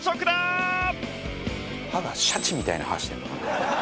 歯がシャチみたいな歯してるのかな。